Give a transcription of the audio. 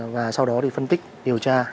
và sau đó phân tích điều tra